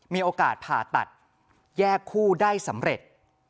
มีโอกาสผ่าตัดแยกคู่ได้สำเร็จ